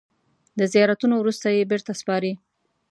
د زیارتونو وروسته یې بېرته سپاري.